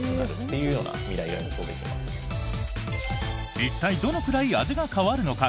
一体どのくらい味が変わるのか？